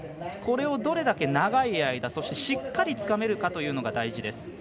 これをどれだけ長い間しっかりつかめるかが大事です。